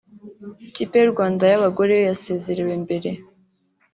Ikipe y’u Rwanda y’abagore yo yasezerewe mbere